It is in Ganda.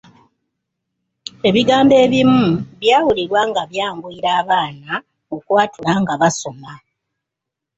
Ebigambo ebimu byawulirwa nga byanguyira abaana okwatula nga basoma.